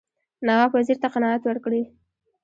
نواب وزیر ته قناعت ورکړي.